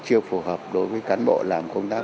chưa phù hợp đối với cán bộ làm công tác